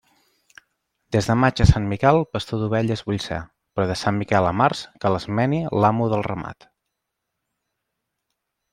Des de maig a Sant Miquel, pastor d'ovelles vull ser; però de Sant Miquel a març, que les meni l'amo del ramat.